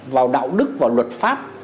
vào đạo đức vào luật pháp